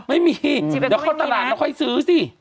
ไม่มีเดี๋ยวเข้าตลาดแล้วค่อยซื้อสิ